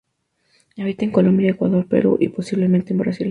Habita en Colombia, Ecuador, Perú y posiblemente en Brasil.